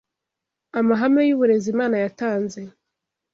Amahame y’uburezi Imana yatanze